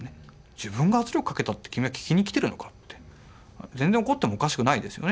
「自分が圧力かけたって君は聞きに来てるのか」って。全然怒ってもおかしくないですよね。